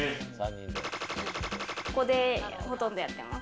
ここで、ほとんどやってます。